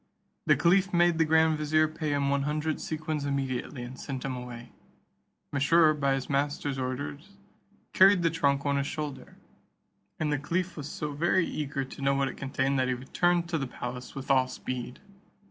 The caliph made the grand vizier pay him one hundred sequins immediately, and sent him away. Mesrour, by his master's order, carried the trunk on his shoulder, and the caliph was so very eager to know what it contained, that he returned to the palace with all speed.